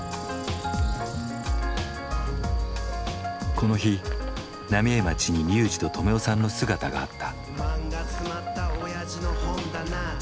この日浪江町にＲＹＵＪＩと止男さんの姿があった。